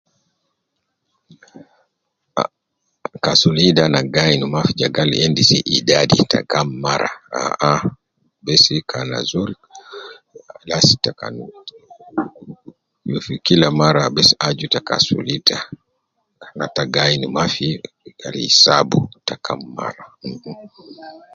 Ka, kasul ida ana gi ayin mafi je gal endi idadi te kam mara, ah ah, besi gi kan azol kalas ta kan je fi kila mara bes aju ita kasul ida ,ana ata gi ayin mafi gal yisabu ta kam mara, mh mh